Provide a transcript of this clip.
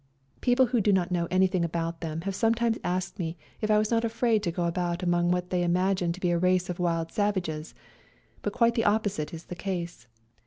People who do not know anything about them have sometimes asked me if I was not afraid to go about among what they imagine to be a race of wild savages, but quite the opposite is the case.